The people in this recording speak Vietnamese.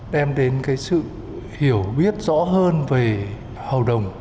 đem đến cái sự hiểu biết rõ hơn về hầu đồng